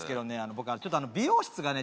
僕ちょっと美容室がね